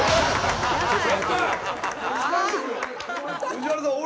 藤原さん。